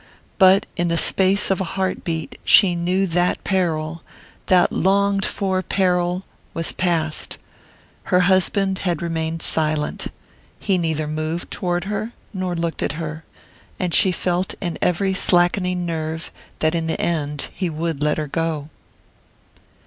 But in the space of a heart beat she knew that peril that longed for peril! was past. Her husband had remained silent he neither moved toward her nor looked at her; and she felt in every slackening nerve that in the end he would let her go.